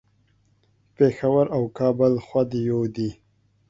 پیښور او کابل خود یو دي